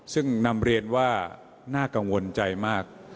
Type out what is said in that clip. ซึ่งนำเรียนว่าน่ากังวลใจมาก